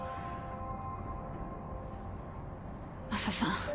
マサさん